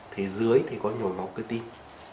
thì dưới thì có nhồi máu cơ tim